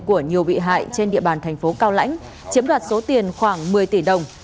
của nhiều bị hại trên địa bàn thành phố cao lãnh chiếm đoạt số tiền khoảng một mươi tỷ đồng